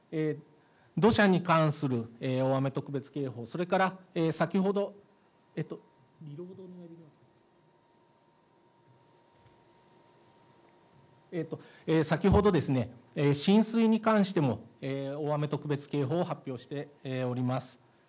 土砂に関する大雨特別警報、それから先ほど、浸水に関しても、大雨特別警報を発表しております。